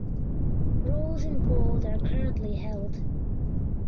Roles in bold are currently held.